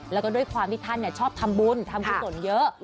แล้วก็ด้วยความที่ท่านเนี่ยชอบทำบุญทำผู้สนเยอะ